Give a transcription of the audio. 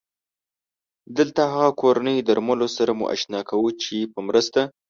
دلته هغه کورني درملو سره مو اشنا کوو چې په مرسته